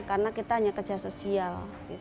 karena kita hanya kerja sosial